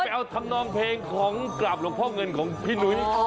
ไปกุ้งท่ำลองเพลงของกราบลงพระเงินของพี่หนุ๊ย